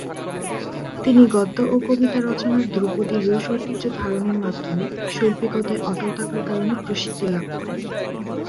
তিনি গদ্য ও কবিতা রচনায় ধ্রুপদী রুশ ঐতিহ্য ধারণের মাধ্যমে শৈল্পিকতায় অটল থাকার কারণে প্রসিদ্ধি লাভ করেন।